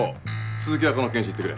鈴木はこの検視行ってくれ。